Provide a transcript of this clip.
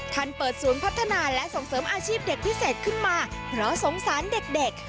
ท่านเปิดศูนย์พัฒนาและส่งเสริมอาชีพเด็กพิเศษขึ้นมาเพราะสงสารเด็ก